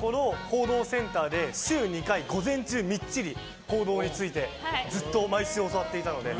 報道センターで週２回午前中みっちり報道について教わっていたので。